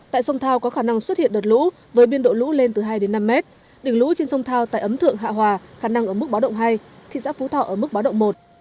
tại sông thao có khả năng xuất hiện đợt lũ với biên độ lũ lên từ hai đến năm mét đỉnh lũ trên sông thao tại ấm thượng hạ hòa khả năng ở mức báo động hai thì giã phú thọ ở mức báo động một